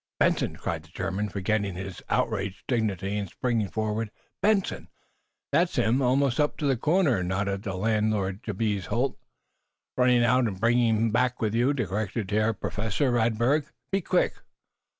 "Benson?" cried the German, forgetting his outraged dignity and springing forward. "Benson?" "That's him almost up to the corner," nodded Landlord Jabez Holt. "Run out and bring him back with you," directed Herr Professor Radberg. "Be quick!"